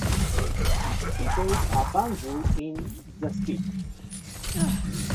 He played a banjo in the skit.